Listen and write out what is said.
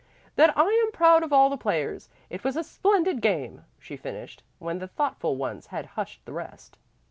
"That I am proud of all the players. It was a splendid game," she finished, when the thoughtful ones had hushed the rest.